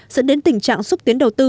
dẫn đến tình trạng xúc tiến đầu tư